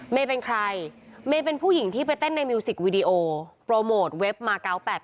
เป็นใครเมย์เป็นผู้หญิงที่ไปเต้นในมิวสิกวีดีโอโปรโมทเว็บมา๙๘๘